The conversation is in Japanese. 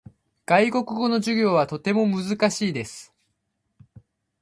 外国語の授業はとても難しいです。